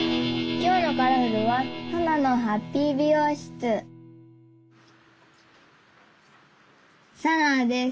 きょうの「カラフル！」は紗那です